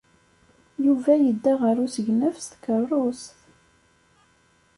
Yuba yedda ɣer usegnaf s tkeṛṛust.